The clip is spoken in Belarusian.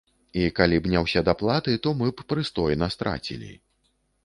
І калі б не ўсе даплаты, то мы б прыстойна страцілі.